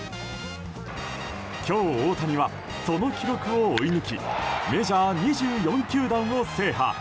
今日、大谷はその記録を追い抜きメジャー２４球団を制覇。